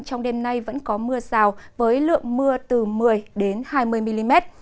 trong đêm nay vẫn có mưa rào với lượng mưa từ một mươi hai mươi mm